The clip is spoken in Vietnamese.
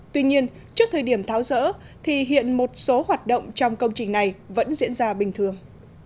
tuy nhiên trước thời điểm tháo rỡ thì hiện một số hoạt động trong công trình này vẫn diễn ra bình thường